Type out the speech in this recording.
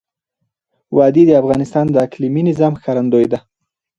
وادي د افغانستان د اقلیمي نظام ښکارندوی ده.